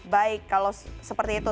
baik kalau seperti itu